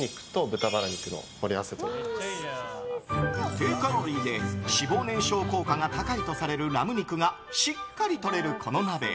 低カロリーで脂肪燃焼効果が高いとされるラム肉が、しっかりとれるこの鍋。